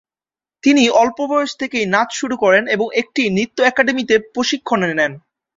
তিনি অল্প বয়স থেকেই নাচ শুরু করেন এবং একটি নৃত্য একাডেমিতে প্রশিক্ষণ নেন।